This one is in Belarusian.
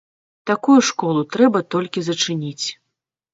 Такую школу трэба толькі зачыніць.